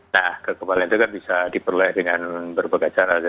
nah kekebalan itu kan bisa diperoleh dengan berbagai cara